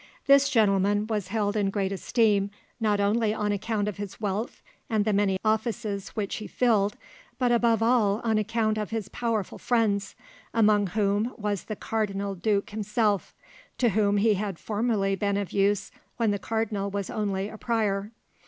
This gentleman was held in great esteem not only on account of his wealth and the many offices which he filled, but above all on account of his powerful friends, among whom was the cardinal duke himself, to whom he had formerly been of use when the cardinal was only a prior.